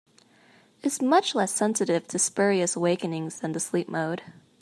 Is much less sensitive to spurious awakenings than the sleep mode.